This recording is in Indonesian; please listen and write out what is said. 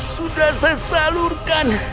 sudah saya salurkan